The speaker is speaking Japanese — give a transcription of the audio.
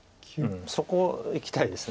そこいきたいです。